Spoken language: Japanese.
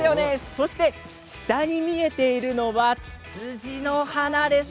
そして下に見えているのはツツジの花です。